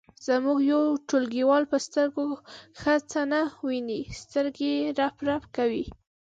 زموږ یو ټولګیوال په سترګو ښه څه نه ویني سترګې یې رپ رپ کوي.